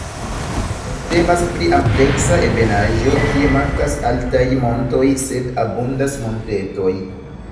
Temas pri ampleksa ebenaĵo kie mankas altaj montoj, sed abundas montetoj.